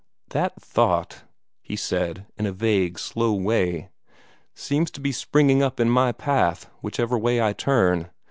"That thought," he said, in a vague, slow way, "seems to be springing up in my path, whichever way I turn.